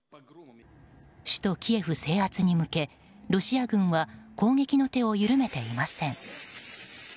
首都キエフ制圧に向けロシア軍は攻撃の手を緩めていません。